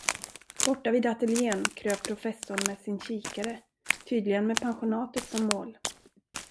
Borta vid ateljén kröp professorn med sin kikare, tydligen med pensionatet som mål.